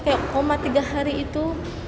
kayak koma tiga hari itu